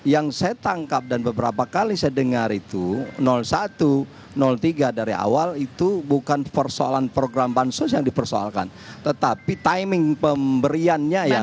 yang saya tangkap dan beberapa kali saya dengar itu satu tiga dari awal itu bukan persoalan program bansos yang dipersoalkan tetapi timing pemberiannya yang